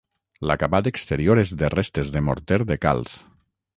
L'acabat exterior és de restes de morter de calç.